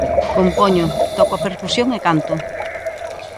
Compoño, toco a percusión e canto.